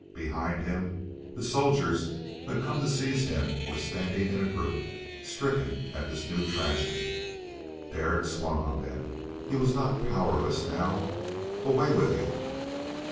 Behind him the soldiers who had come to seize him were standing in a group, stricken at this new tragedy. Derek swung on them. He was not powerless now! "Away with you!"